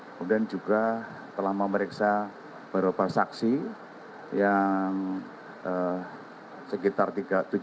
kemudian juga telah memeriksa beberapa saksi yang sekitar tujuh puluh persen